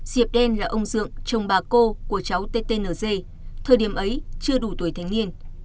diệp đen là ông dượng chồng bà cô của cháu ttnz thời điểm ấy chưa đủ tuổi thanh niên